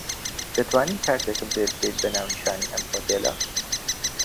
دەتوانیت کارتێکم پێ بدەیت بە ناونیشانی ئەم هۆتێلە.